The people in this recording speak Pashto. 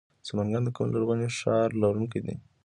سمنګان د کوم لرغوني ښار لرونکی دی؟